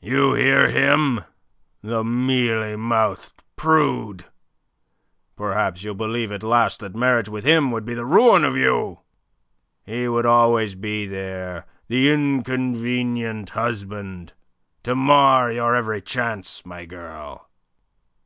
"You hear him, the mealy mouthed prude! Perhaps you'll believe at last that marriage with him would be the ruin of you. He would always be there the inconvenient husband to mar your every chance, my girl."